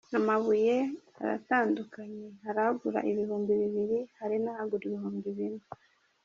Amabuye aratandukanye hari agura ibihumbi bibiri hari n’agura ibihumbi bine.